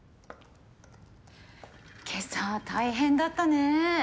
今朝は大変だったね。